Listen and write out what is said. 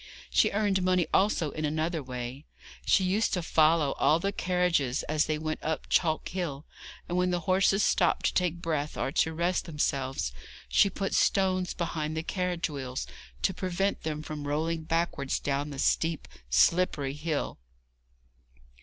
She earned money also in another way. She used to follow all the carriages as they went up Chalk Hill, and when the horses stopped to take breath or to rest themselves, she put stones behind the carriage wheels to prevent them from rolling backwards down the steep, slippery hill.